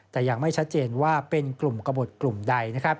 แต่ยังไม่ชัดเจนว่าเป็นกลุ่มกระบดกลุ่มใด